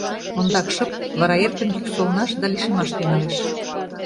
Ондак шып, вара эркын йӱк солнаш да лишемаш тӱҥалеш.